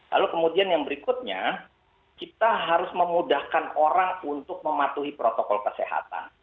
lalu kemudian yang berikutnya kita harus memudahkan orang untuk mematuhi protokol kesehatan